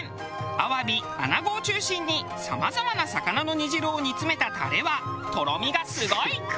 アワビ穴子を中心にさまざまな魚の煮汁を煮詰めたタレはとろみがすごい！